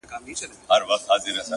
د خيالورو په پلو کي يې ډبرې راوړې-